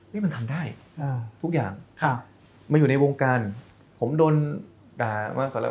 นี่มันทำได้ทุกอย่างมาอยู่ในวงการผมโดนด่ามากเลย